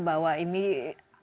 bahwa ini buahnya